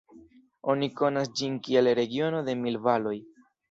Oni konas ĝin kiel regiono de mil valoj.